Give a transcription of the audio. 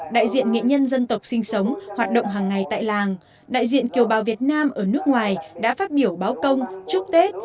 đại diện nghệ nhân dân tộc sinh sống hoạt động hàng ngày tại làng đại diện kiều bào việt nam ở nước ngoài đã phát biểu báo công chúc tết